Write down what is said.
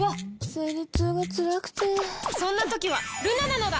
生理痛がつらくてそんな時はルナなのだ！